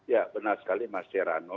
ya benar sekali mas herano